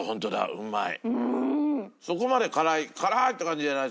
うまい！